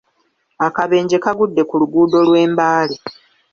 Akabenje kagudde ku luguudo lw'e Mbale.